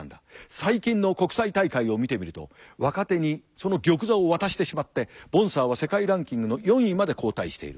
最近の国際大会を見てみると若手にその玉座を渡してしまってボンサーは世界ランキングの４位まで後退している。